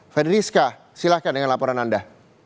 fedrizka silahkan dengan laporan anda